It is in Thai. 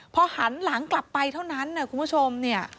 พอหันหลังกลับไปเท่านั้นคุณผู้ชม